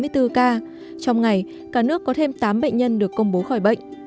trong ngày cả nước có thêm tám bệnh nhân được công bố khỏi bệnh